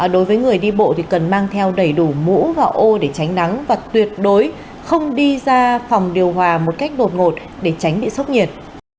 đối với người đi bộ thì cần mang theo đầy đủ mũ và ô để tránh nắng và tuyệt đối không đi ra phòng điều hòa một cách đột ngột để tránh bị sốc nhiệt